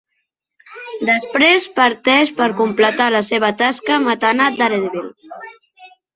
Després parteix per a completar la seva tasca matant a Daredevil.